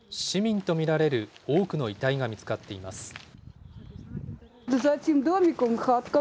市民と見られる多くの遺体が見つかっています。